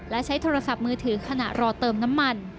และใช้โทรศัพท์มือถือขณะรอเติมน้ำมัน